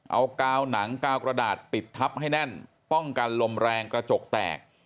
เอากาวหนังกาวกระดาษปิดทับให้แน่นป้องกันลมแรงกระจกแตก